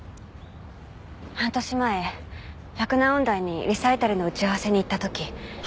半年前洛南音大にリサイタルの打ち合わせに行った時。